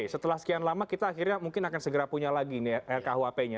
setelah sekian lama kita akhirnya mungkin akan segera punya lagi rkuhp nya